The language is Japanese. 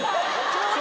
ちょうど。